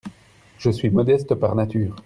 Je suis modeste par nature.